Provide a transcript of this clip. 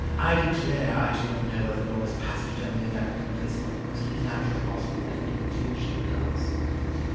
I declare I do not know whether Laura's passage down the American river is not the most natural possible every day thing she ever does."